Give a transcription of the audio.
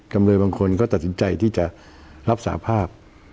จำเลยบางคนก็ตัดสินใจที่จะรับสาภาพ